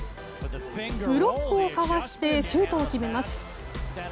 ブロックをかわしてシュートを決めます。